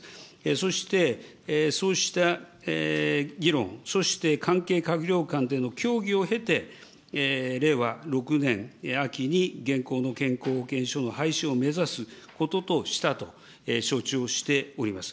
そして、そうした議論、そして関係閣僚間での協議を経て、令和６年秋に、現行の健康保険証の廃止を目指すこととしたと承知をしております。